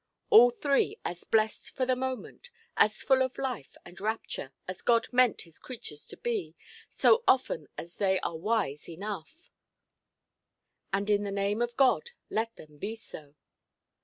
All three as blest for the moment, as full of life and rapture, as God meant His creatures to be, so often as they are wise enough; and, in the name of God, let them be so!